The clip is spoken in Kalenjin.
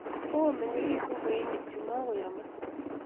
Kogo mengechitu kweinik chuk, makoyomon